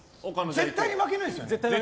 絶対に負けないですよね。